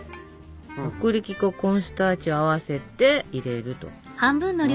薄力粉コーンスターチを合わせて入れると。